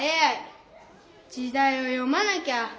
時だいを読まなきゃ。